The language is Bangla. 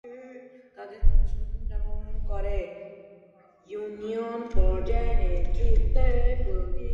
তাদের তিন সন্তান জন্মগ্রহণ করে।